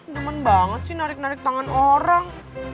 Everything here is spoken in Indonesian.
demen banget sih narik narik tangan orang